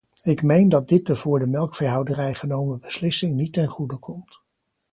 Ik meen dat dit de voor de melkveehouderij genomen beslissing niet ten goede komt.